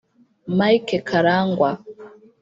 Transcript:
Mike Karangwa